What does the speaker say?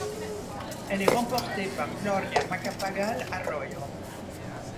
Elle est remportée par Gloria Macapagal-Arroyo.